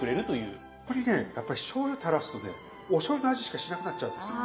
これねやっぱりしょうゆたらすとねおしょうゆの味しかしなくなっちゃうんですよ。